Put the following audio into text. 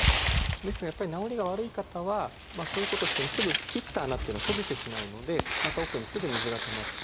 ですがやっぱり治りが悪い方はそういうことをしてもすぐ切った穴っていうのは閉じてしまうのでまた奥にすぐ水がたまって。